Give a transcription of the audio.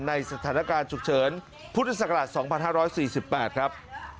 ในสถานการณ์ฉุกเฉินพุทธศักราช๒๕๔๘ครับ